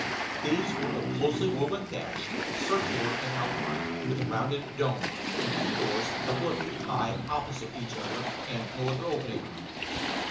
These were of closely woven thatch, circular in outline, with a rounded dome, and two doors a couple of feet high opposite each other, and no other opening.